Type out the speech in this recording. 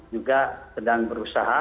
juga sedang berusaha